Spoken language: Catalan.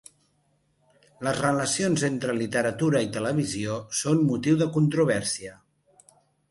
Les relacions entre literatura i televisió són motiu de controvèrsia.